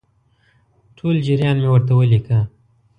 ټول جریان مې ورته ولیکه.